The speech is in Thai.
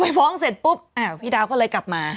ฟ้องเสร็จปุ๊บพี่ดาวก็เลยกลับมา